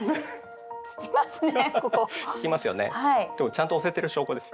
ちゃんと押せてる証拠です。